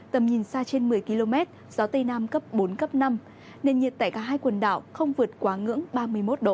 tầm nhìn xa trên một mươi km gió tây nam cấp bốn cấp năm nền nhiệt tại cả hai quần đảo không vượt quá ngưỡng ba mươi một độ